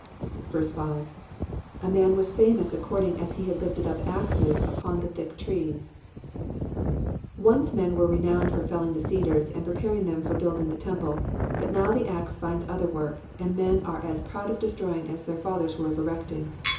5. ^ 7nan was famous according as he had lifted vp axes upon the thick trees,^^ Once men were renowned for felling the cedars and preparing them for building the temple, but now the axe finds other work, and men are as proud of destroying as their fathers were of erecting.